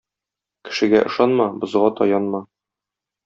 Кешегә ышанма, бозга таянма.